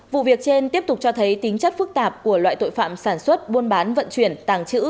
vụ việc trên tiếp tục cho thấy tính chất phức tạp của loại tội phạm sản xuất buôn bán vận chuyển tàng trữ